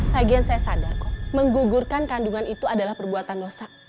lagian saya sadar kok menggugurkan kandungan itu adalah perbuatan dosa